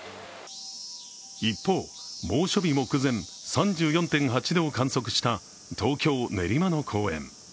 一方、猛暑日目前、３４．８度を観測した東京・練馬の公園。